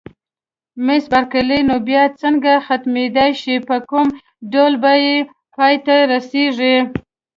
مس بارکلي: نو بیا څنګه ختمېدای شي، په کوم ډول به پای ته رسېږي؟